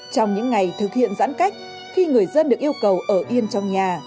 trong những ngày thực hiện giãn cách khi người dân được yêu cầu ở yên trong nhà